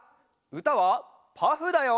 うたは「パフ」だよ！